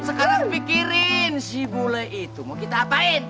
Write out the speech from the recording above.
sekarang pikirin si bule itu mau kita apain